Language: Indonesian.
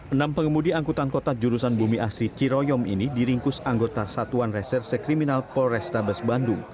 enam pengemudi angkutan kota jurusan bumi asri ciroyom ini diringkus anggota satuan reserse kriminal polrestabes bandung